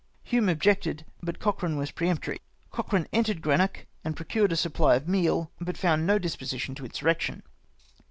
Hume objected, but Cochrane was peremptory. Cochrane entered Greenock, and procured a supply of meal, but found no disposition to insurrection.